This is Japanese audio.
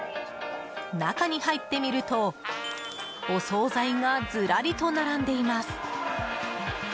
中に入ってみるとお総菜がずらりと並んでいます。